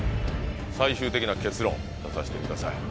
最終的な結論出させてください。